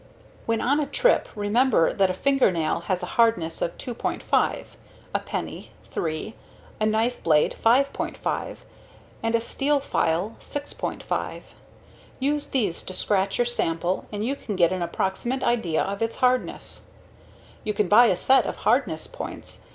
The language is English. When on a trip, remember that a fingernail has a hardness of 2.5; a penny, 3; a knife blade, 5.5; and a steel file, 6.5. Use these to scratch your sample and you can get an approximate idea of its hardness. You can buy a set of hardness points.